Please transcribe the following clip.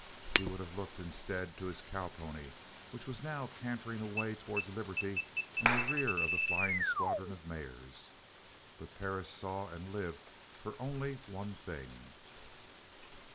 He would have looked, instead, to his cowpony which was now cantering away towards liberty in the rear of the flying squadron of mares. But Perris saw and lived for only one thing.